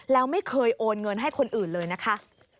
แล้วไม่เคยโอนเงินให้คนอื่นเลยนะคะ